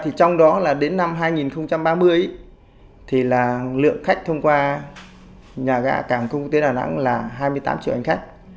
thì trong đó là đến năm hai nghìn ba mươi thì là lượng khách thông qua nhà ga càng công quốc tế đà nẵng là hai mươi tám triệu hành khách